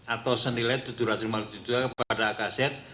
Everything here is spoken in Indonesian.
atau senilai tujuh ratus lima puluh juta kepada akz